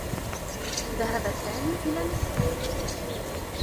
ذهب سامي إلى مصر.